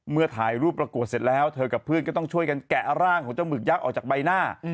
ถ่ายรูปประกวดเสร็จแล้วเธอกับเพื่อนก็ต้องช่วยกันแกะร่างของเจ้าหมึกยักษ์ออกจากใบหน้า